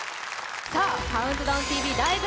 さあ、「ＣＤＴＶライブ！